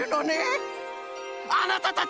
あなたたち！